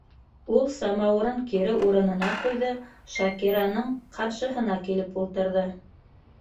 Ул самауырын кире урынына ҡуйҙы, Шакираның ҡаршыһына килеп ултырҙы: